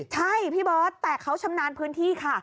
ใช่พี่เบิร์ตแต่เขาชำนาญพื้นที่ค่ะ